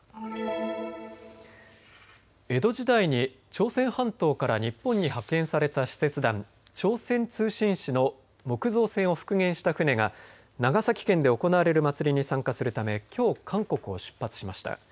江戸時代に朝鮮半島から日本に派遣された使節団、朝鮮通信使の木造船を復元した船が長崎県で行われる祭りに参加するためきょう韓国を出発しました。